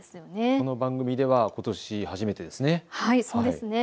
この番組ではことし初めてですね。